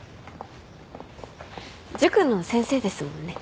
塾の先生ですもんね。